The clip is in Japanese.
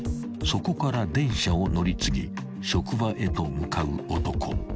［そこから電車を乗り継ぎ職場へと向かう男］